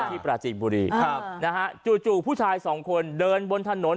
ปราจีนบุรีครับนะฮะจู่ผู้ชายสองคนเดินบนถนน